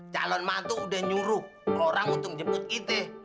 calon matu udah nyuruh orang untuk ngejemput kita